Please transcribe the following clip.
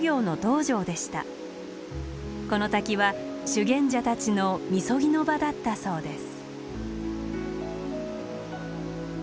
この滝は修験者たちのみそぎの場だったそうです。